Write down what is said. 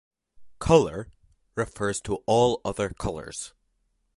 "Colour" refers to all other colours.